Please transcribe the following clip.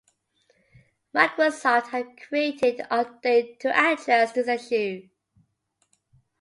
Microsoft had created an update to address this issue.